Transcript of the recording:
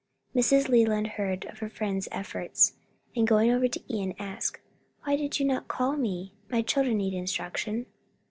Mrs. Leland heard of her friend's efforts, and going over to Ion, asked, "Why did you not call on me? my children need instruction."